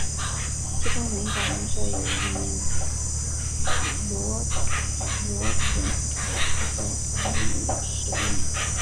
其中每一百人设有一名罗苴佐负责管理士兵。